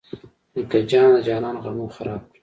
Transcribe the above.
نیکه جانه د جانان غمو خراب کړم.